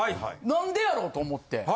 何でやろう？と思って。